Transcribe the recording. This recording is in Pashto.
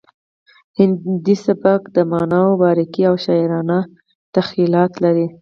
هندي سبک د معناوو باریکۍ او شاعرانه تخیلات لري